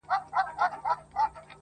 له سړي څخه یې پیل کړلې پوښتني؛